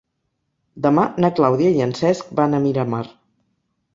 Demà na Clàudia i en Cesc van a Miramar.